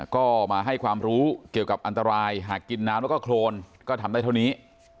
ก็มาให้ความรู้เกี่ยวกับอันตรายหากกินน้ำแล้วก็โครนก็ทำได้เท่านี้